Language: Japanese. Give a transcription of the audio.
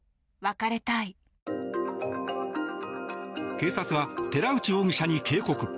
警察は、寺内容疑者に警告。